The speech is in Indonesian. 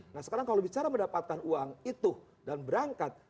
nah sekarang kalau bicara mendapatkan uang itu dan berangkat